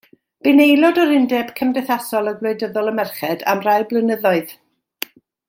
Bu'n aelod o'r Undeb Cymdeithasol a Gwleidyddol y Merched am rai blynyddoedd.